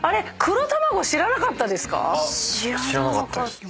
知らなかったです。